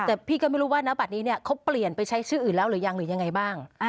แต่พี่ก็ไม่รู้ว่าณบัตรนี้เนี่ยเขาเปลี่ยนไปใช้ชื่ออื่นแล้วหรือยังหรือยังไงบ้าง